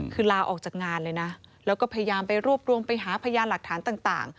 คือลาออกจากงานเลยนะแล้วก็พยายามไปรวบรวมไปหาพยานหลักฐานต่าง